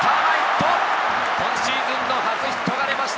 今シーズンの初ヒットが出ました！